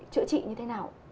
chữa trị như thế nào